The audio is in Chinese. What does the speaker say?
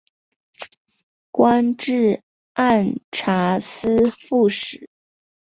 官至按察司副使。